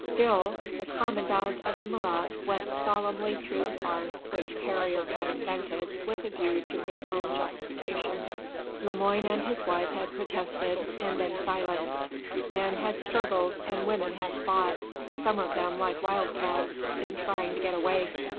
Still! the commandant of the Marats went solemnly through the farce which Carrier had invented with a view to his own justification. Lemoine and his wife had protested and been silenced: men had struggled and women had fought some of them like wild cats in trying to get away.